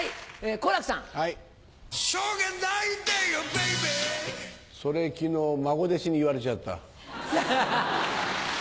Ｂａｂｙそれ昨日孫弟子に言われちゃった。